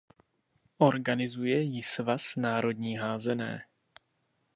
Organizuje ji Svaz národní házené.